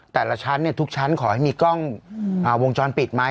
แต่ละชั้นทุกชั้นขอให้มีกล้องวงจรปิดไหม